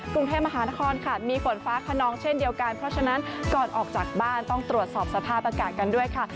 กรุงเทพมหานครค่ะมีฝนฟ้าขนองเช่นเดียวกันเพราะฉะนั้นก่อนออกจากบ้านต้องตรวจสอบสภาพอากาศกันด้วยค่ะ